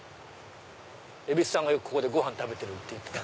蛭子さんがよくここでごはん食べてるって言ってた。